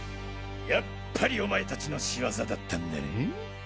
やっぱりお前たちのしわざだったんだな！